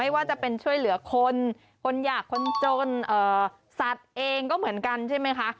ว่าจะเป็นช่วยเหลือคนคนอยากคนจนสัตว์เองก็เหมือนกันใช่ไหมคะ